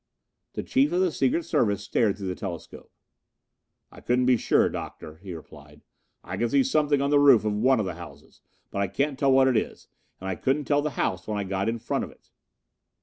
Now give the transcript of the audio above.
The Chief of the Secret Service stared through the telescope. "I couldn't be sure, Doctor," he replied. "I can see something on the roof of one of the houses, but I can't tell what it is and I couldn't tell the house when I got in front of it."